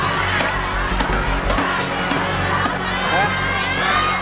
เพื่อร้องได้